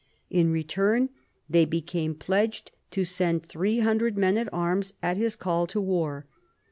In return, they became pledged to send three hundred men at arms at his call to war.